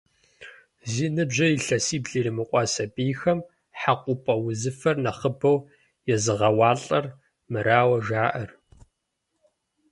Зи ныбжьыр илъэсибл иримыкъуа сабийхэм хьэкъупӏэ узыфэр нэхъыбэу езыгъэуалӏэр мырауэ жаӏэр.